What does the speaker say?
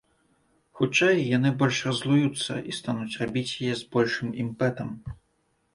Хутчэй, яны больш раззлуюцца, і стануць рабіць яе з большым імпэтам.